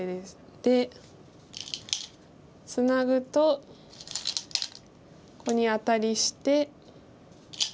でツナぐとここにアタリして。